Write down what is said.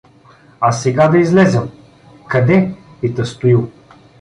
А сега да излезем… — Къде? — пита Стоил.